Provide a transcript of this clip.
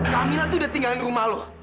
camila tuh udah tinggalin rumah lo